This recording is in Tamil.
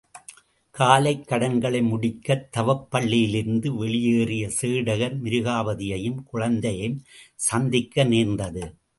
காலைக் கடன்களை முடிக்கத் தவப்பள்ளியிலிருந்து வெளியேறிய சேடகர் மிருகாபதியையும் குழந்தையையும் சந்திக்க நேர்ந்தது.